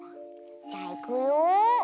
じゃいくよ！